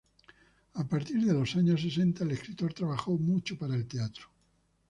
A partir de los años sesenta el escritor trabajó mucho para el teatro.